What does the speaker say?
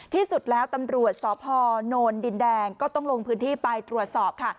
ที่สุดแล้วตำรวจสพนดินแดงก็ต้องลงพื้นที่ไปตรวจสอบค่ะ